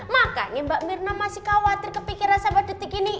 makanya mbak mirna masih khawatir kepikiran sampai detik ini